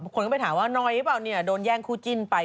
คนก็ไปถามว่าน้อยหรือเปล่าเนี่ยโดนแย่งคู่จิ้นไป